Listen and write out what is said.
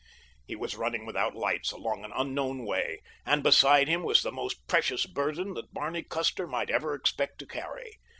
He was running without lights along an unknown way; and beside him was the most precious burden that Barney Custer might ever expect to carry.